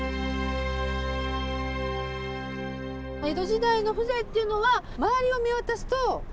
江戸時代の風情っていうのは周りを見渡すと。